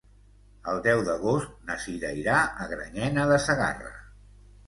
El deu d'agost na Cira irà a Granyena de Segarra.